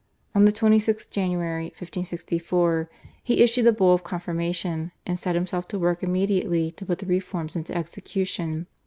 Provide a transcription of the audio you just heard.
On the 26th January 1564 he issued the Bull of confirmation, and set himself to work immediately to put the reforms into execution.